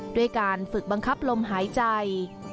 ด้วยการฝึกบังคับลมหายใจ